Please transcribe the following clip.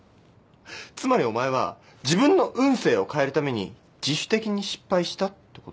つまりお前は自分の運勢を変えるために自主的に失敗したってこと？